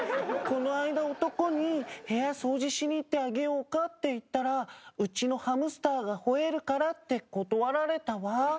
この間男に部屋掃除しに行ってあげようか？って言ったらうちのハムスターが吠えるからって断られたわ。